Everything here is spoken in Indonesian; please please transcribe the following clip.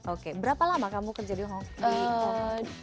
oke berapa lama kamu kerja di hongkong